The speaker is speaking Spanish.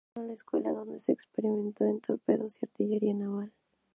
Retornó a la escuela donde se experimento en torpedos y artillería naval.